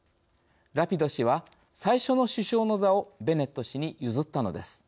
ラピド氏は最初の首相の座をベネット氏に譲ったのです。